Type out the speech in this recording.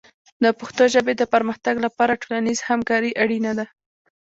د پښتو ژبې د پرمختګ لپاره ټولنیز همکاري اړینه ده.